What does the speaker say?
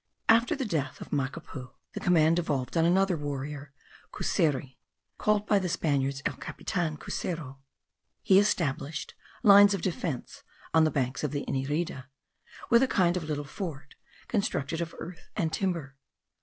After the death of Macapu, the command devolved on another warrior, Cuseru, called by the Spaniards El capitan Cusero. He established lines of defence on the banks of the Inirida, with a kind of little fort, constructed of earth and timber.